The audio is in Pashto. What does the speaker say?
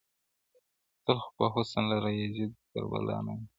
• تل خو به حسین لره یزید کربلا نه نیسي -